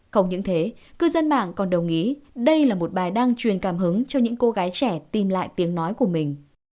không những thế cư dân mạng còn đồng ý đây là một bài đang truyền cảm hứng cho những cô gái trẻ tìm lại tiếng nói của mình